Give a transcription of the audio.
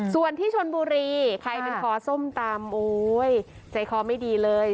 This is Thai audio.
ส่วนที่ชนบุรีใครเป็นคอส้มตำโอ้ยใจคอไม่ดีเลย